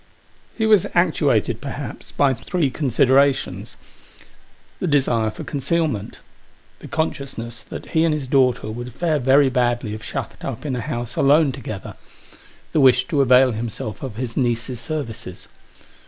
He was actuated, perhaps, by three considerations. The desire for concealment ; the consciousness that he and his daughter would fare very badly if shut up in a house alone together ; the wish to avail himself of his niece's services.